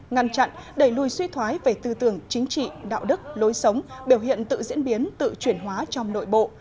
ngăn chặn đẩy lùi suy thoái về tư tưởng chính trị đạo đức lối sống biểu hiện tự diễn biến tự chuyển hóa trong nội bộ